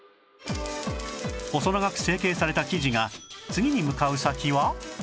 細長く成形された生地が次に向かう先は